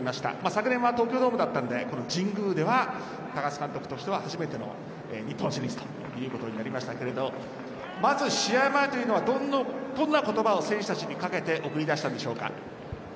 昨年は東京ドームだったので神宮では高津監督としては初めての日本シリーズということになりましたがまず試合前はどんな言葉を選手たちにかけて送り出したんでしょうか？